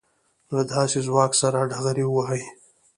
له داسې ځواک سره ډغرې ووهي.